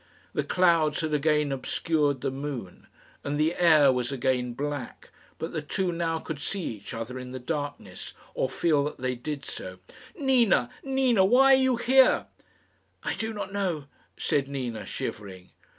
The clouds had again obscured the moon, and the air was again black, but the two now could see each other in the darkness, or feel that they did so. "Nina, Nina why are you here?" "I do not know," said Nina, shivering.